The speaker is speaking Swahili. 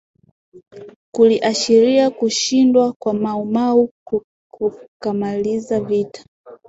Kuliashiria kushindwa kwa Mau Mau kukamaliza vita